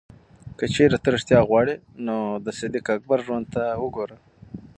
که چېرې ته ریښتیا غواړې، نو د صدیق اکبر ژوند ته وګوره.